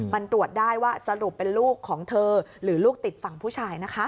มันตรวจได้ว่าสรุปเป็นลูกของเธอหรือลูกติดฝั่งผู้ชายนะคะ